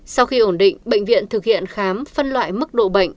sau khi ổn định bệnh viện thực hiện khám phân loại mức độ bệnh